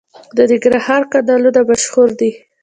د ننګرهار کانالونه مشهور دي.